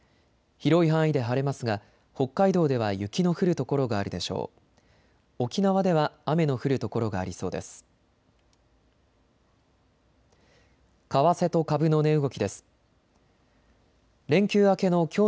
広い範囲で晴れますが北海道では雪の降る所があるでしょう。